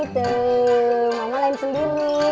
tuh mama lain sendiri